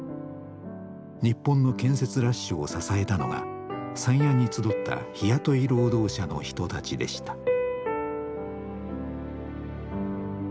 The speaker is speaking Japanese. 日本の建設ラッシュを支えたのが山谷に集った日雇い労働者の人たちでした。